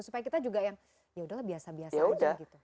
supaya kita juga yang yaudahlah biasa biasa aja gitu